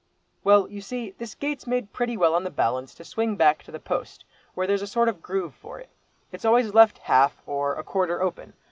"Well, you see, this gate's made pretty well on the balance to swing back to the post, where there's a sort of groove for it. It's always left half, or a quarter open.